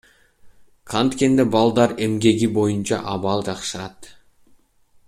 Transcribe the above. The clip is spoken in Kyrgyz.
Канткенде балдар эмгеги боюнча абал жакшырат?